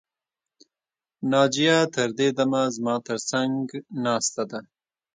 ناجیه تر دې دمه زما تر څنګ ناسته ده